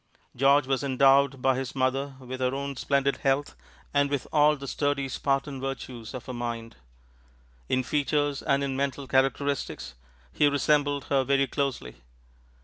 George was endowed by his mother with her own splendid health and with all the sturdy Spartan virtues of her mind. In features and in mental characteristics, he resembled her very closely.